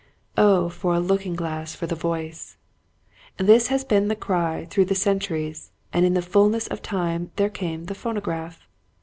" O for a looking glass for the voice !" This has been the cry through the cen turies, and in the fullness of time there came the phonograph.